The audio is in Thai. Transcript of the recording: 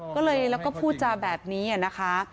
ก็เลยแล้วก็พูดจาแบบนี้นะคะ